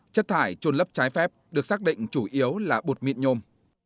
chất thải trôn lấp trái phép được xác định chủ yếu là bột miệng nhôm